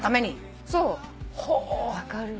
分かるわ。